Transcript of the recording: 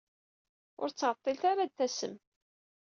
Ur ttɛeḍḍilet ara ad d-tasem.